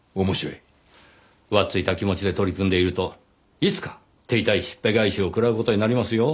浮ついた気持ちで取り組んでいるといつか手痛いしっぺ返しを食らう事になりますよ。